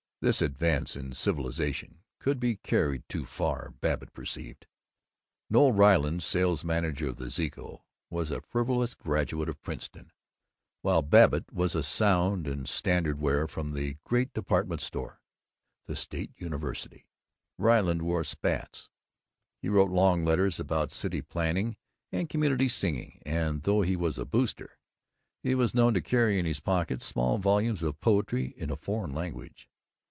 This advance in civilization could be carried too far, Babbitt perceived. Noël Ryland, sales manager of the Zeeco, was a frivolous graduate of Princeton, while Babbitt was a sound and standard ware from that great department store, the State University. Ryland wore spats, he wrote long letters about City Planning and Community Singing, and, though he was a Booster, he was known to carry in his pocket small volumes of poetry in a foreign language.